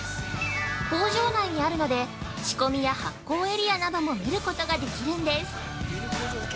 工場内にあるので、仕込みや発酵エリアなども見ることができるんです。